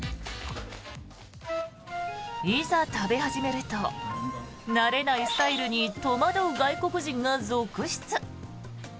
いざ食べ始めると慣れないスタイルに戸惑う外国人が続出。